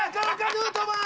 ヌートバー！